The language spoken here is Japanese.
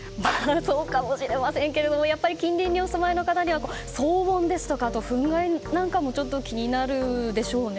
そうかもしれませんけれども近隣にお住まいの方には騒音ですとか、ふん害なんかもちょっと気になるでしょうね。